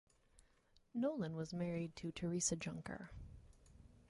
Nowlan was married to Theresa Junker.